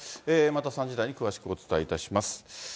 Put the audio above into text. また３時台に詳しくお伝えいたします。